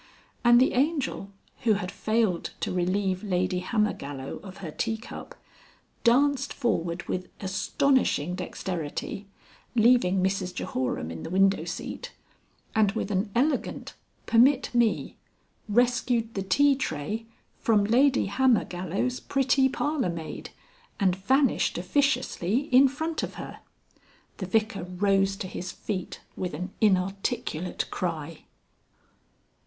And the Angel (who had failed to relieve Lady Hammergallow of her teacup) danced forward with astonishing dexterity (leaving Mrs Jehoram in the window seat) and with an elegant "permit me" rescued the tea tray from Lady Hammergallow's pretty parlour maid and vanished officiously in front of her. The Vicar rose to his feet with an inarticulate cry.